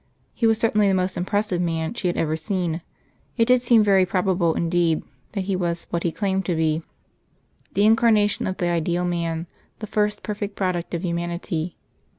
He was certainly the most impressive man she had ever seen; it did seem very probable indeed that He was what He claimed to be the Incarnation of the ideal Man the first perfect product of humanity.